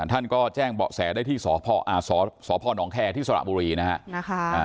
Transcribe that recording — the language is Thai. ท่านก็แจ้งเบาะแสได้ที่สพนแคร์ที่สระบุรีนะฮะ